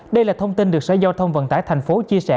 đây là thông tin được sở giao thông vận tải tp hcm chia sẻ